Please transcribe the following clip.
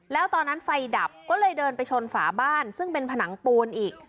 แล้วตอนนั้นไฟดับก็เลยเดินไปชนฝาบ้านซึ่งเป็นผนังปูนอีก